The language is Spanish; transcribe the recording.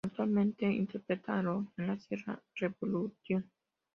Actualmente interpreta a Aaron en la serie Revolution.